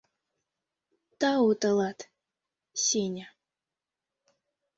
Тау тылат, Сеня.